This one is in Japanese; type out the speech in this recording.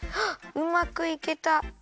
あっうまくいけた！